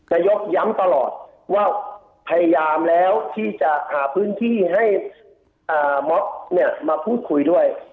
นายกย้ำตลอดว่าพยายามแล้วที่จะหาพื้นที่ให้ม็อบเนี่ยมาพูดคุยด้วย